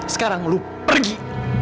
sekarang lo pergi